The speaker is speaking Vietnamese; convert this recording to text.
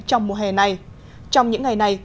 trong mùa hè này trong những ngày này